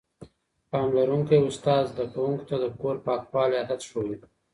پاملرونکی استاد زده کوونکو ته د کور پاکوالي عادت ښووي.